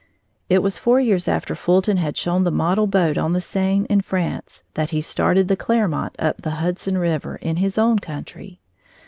It was four years after Fulton had shown the model boat on the Seine, in France, that he started the Clermont up the Hudson River, in his own country.